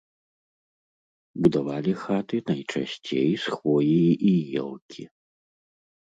Будавалі хаты найчасцей з хвоі і елкі.